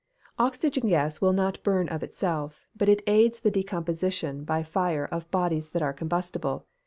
"_ Oxygen gas will not burn of itself, but it aids the decomposition by fire of bodies that are combustible.